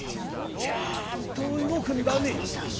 ちゃんと動くんだね。